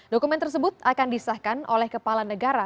dokumen tersebut akan disahkan oleh kepala negara